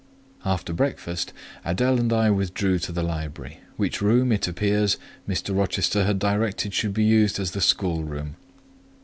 After breakfast, Adèle and I withdrew to the library, which room, it appears, Mr. Rochester had directed should be used as the schoolroom.